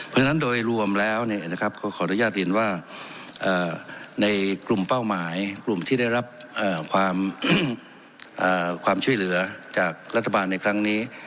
เพราะฉะนั้นโดยรวมแล้วขออนุญาตเรียนว่าในกลุ่มเป้าหมายกลุ่มที่ได้รับความช่วยเหลือจากรัฐบาลในครั้งนี้